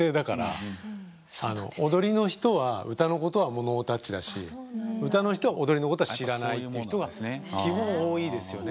踊りの人は歌のことはノータッチだし歌の人は踊りのことは知らないって人が基本多いですよね。